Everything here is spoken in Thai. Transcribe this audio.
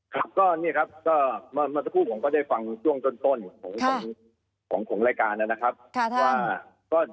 ครับก็เนี่ยครับก็เมื่อสักครู่ผมก็ได้ฟังช่วงต้นของรายการนะครับว่า